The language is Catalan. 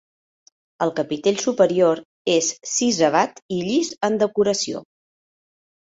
El capitell superior és sisavat i llis en decoració.